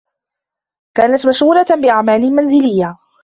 كانت مشغولة بأعمال منزلية.